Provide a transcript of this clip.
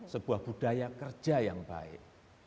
sebuah budaya kerja yang baik